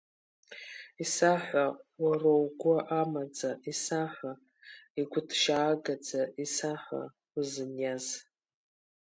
Исаҳәа уара угәы амаӡа, исаҳәа игәыҭшьаагаӡа, исаҳәа узыниаз.